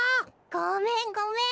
ごめんごめん。